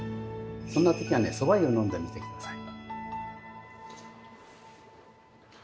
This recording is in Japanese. そんな時はねそば湯を飲んでみて下さい。